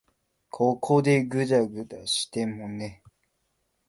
ここでぐだぐだしてもね。